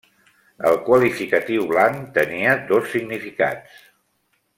El qualificatiu blanc tenia dos significats.